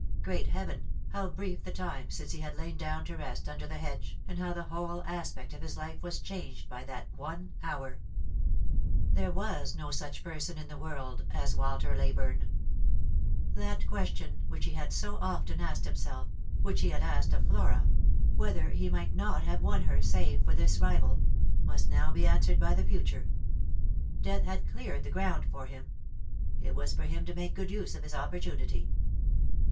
Great heaven, how brief the time since he had lain down to rest under the hedge, and how the whole aspect of his life was changed by that one hour ! There was no such person in the world as Walter Leyburne. Lost for Love. 163 That question which he had so often asked himself — which he had asked of Flora — whether he might not have won her save for this rival — must now be answered by the future. Death had cleared the ground for him. It was for him to make good use of his opportunity.